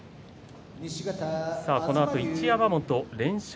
このあと一山本連勝